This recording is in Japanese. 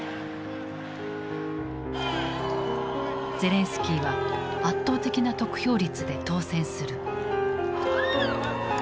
ゼレンスキーは圧倒的な得票率で当選する。